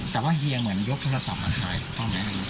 แต่ว่าเฮียเหมือนยกโทรศัพท์มาถ่ายถูกต้องไหม